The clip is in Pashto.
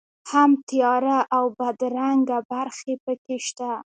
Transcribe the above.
هم تیاره او بدرنګه برخې په کې شته.